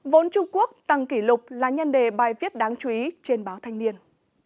vốn trung quốc tăng kỷ lục là nhân đề bài viết đáng chú ý trên báo thanh niên